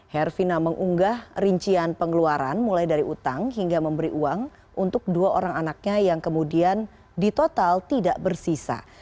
herfina mengunggah rincian pengeluaran mulai dari utang hingga memberi uang untuk dua orang anaknya yang kemudian di total tidak bersisa